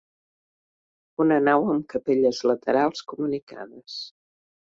Una nau amb capelles laterals comunicades.